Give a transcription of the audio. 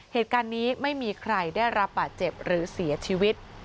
เหตุการณ์นี้ไม่มีใครได้รับบาดเจ็บหรือเสียชีวิต